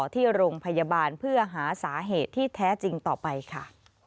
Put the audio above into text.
ที่โรงพยาบาลเพื่อหาสาเหตุที่แท้จริงต่อไปค่ะ